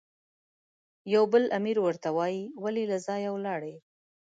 یو بل امیر ورته وایي، ولې له ځایه ولاړې؟